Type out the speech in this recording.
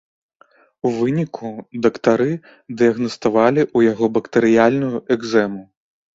У выніку дактары дыягнаставалі ў яго бактэрыяльную экзэму.